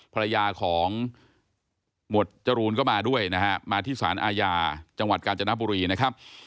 ภรรยาของหมวดจรูนก็มาด้วยนะฮะมาที่สารอาญาจังหวัดกาญจนบุรีนะครับ